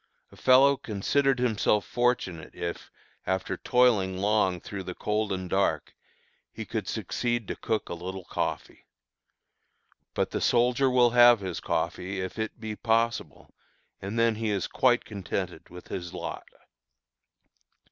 A fellow considered himself fortunate, if, after toiling long through the cold and dark, he could succeed to cook a little coffee. But the soldier will have his coffee, if it be possible, and then he is quite contented with his lot.